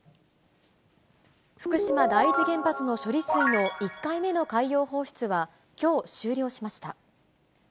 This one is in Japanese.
福島第一原発の処理水の１回目の海洋放出はきょう終了しました。